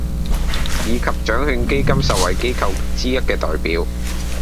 以及獎卷基金受惠機構之一嘅代表